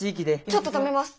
ちょっと止めます！